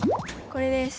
これです。